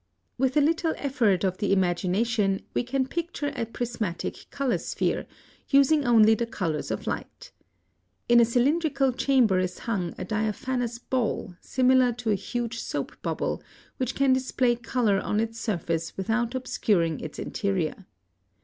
+ (98) With a little effort of the imagination we can picture a prismatic color sphere, using only the colors of light. In a cylindrical chamber is hung a diaphanous ball similar to a huge soap bubble, which can display color on its surface without obscuring its interior.